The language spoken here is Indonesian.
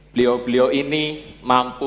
beliau beliau ini mampu